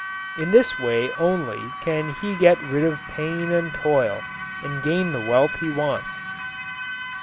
In this way only can he get rid of pain and toil and gain the wealth he wants.